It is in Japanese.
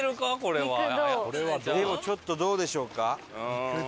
でもちょっとどうでしょうか？